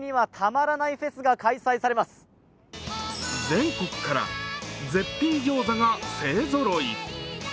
全国から絶品ギョーザが勢ぞろい。